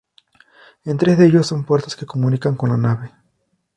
En tres de ellos son puertas que comunican con la nave.